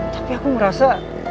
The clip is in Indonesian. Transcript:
tapi aku ngerasa